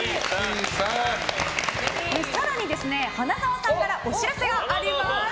更に、花澤さんからお知らせがあります。